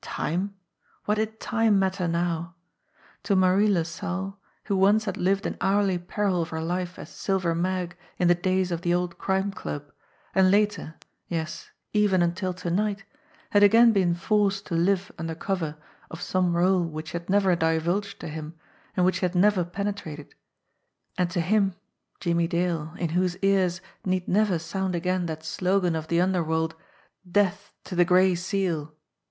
Time! What did time matter now? To Marie LaSalle, who once had lived in hourly peril of her life as Silver Mag in the days of the old Crime Club, and later, yes even until to night, had again been forced to Kve under cover of some role which she had never divulged to him and which he had never penetrated ; and to him, Jimmie THE TOCSIN 11 Dale, in whose ears need never sound again that slogan of the underworld, "Death to the Gray Seal!"